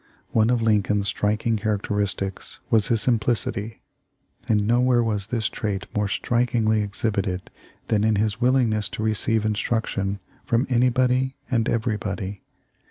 One of Lincoln's striking characteristics was his simplicity, and nowhere was this trait more strikingly exhibited than in his willingness to receive instruction from anybody and everybody.